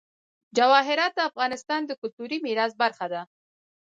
جواهرات د افغانستان د کلتوري میراث برخه ده.